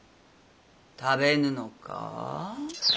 食べぬのか？